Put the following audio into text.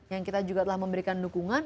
yang kita juga telah memberikan dukungan